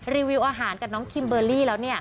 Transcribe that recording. รีวิวอาหารกับน้องคิมเบอร์รี่แล้ว